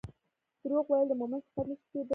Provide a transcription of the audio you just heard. دروغ ويل د مؤمن صفت نه شي کيدلی